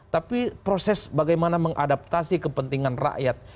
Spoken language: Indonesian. tapi proses bagaimana mengadaptasi kepentingan rakyat